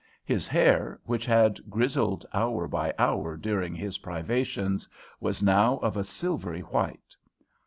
His hair, which had grizzled hour by hour during his privations, was now of a silvery white.